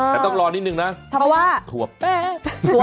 แต่ต้องรอนิดนึงนะเพราะว่าถั่วแป๊ะ